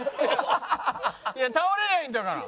いや倒れりゃいいんだから。